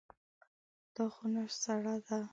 دا خونه سړه ده.